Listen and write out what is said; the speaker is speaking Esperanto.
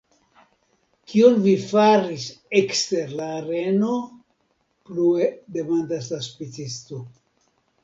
Kion vi faris ekster la areno? plue demandas la spicisto.